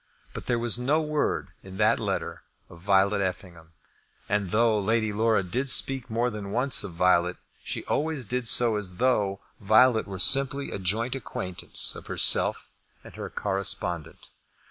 But there was no word in that letter of Violet Effingham; and though Lady Laura did speak more than once of Violet, she always did so as though Violet were simply a joint acquaintance of herself and her correspondent.